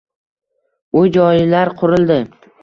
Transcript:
Uy-joylar qurildi.